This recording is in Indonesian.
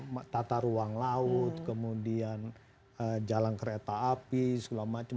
kemudian tata ruang laut kemudian jalan kereta api segala macam